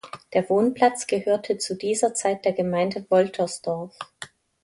Der Wohnplatz gehörte zu dieser Zeit der Gemeinde Woltersdorf.